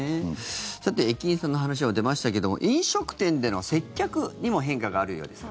さて駅員さんの話は出ましたけども飲食店での接客にも変化があるようです。